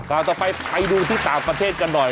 ข่าวต่อไปไปดูที่ต่างประเทศกันหน่อย